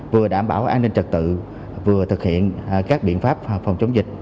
vừa đảm bảo an ninh trật tự vừa thực hiện các biện pháp phòng chống dịch